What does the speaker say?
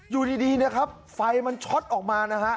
อยู่ดีนะครับไฟมันช็อตออกมานะฮะ